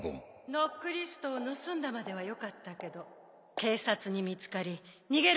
ノックリストを盗んだまではよかったけど警察に見つかり逃げる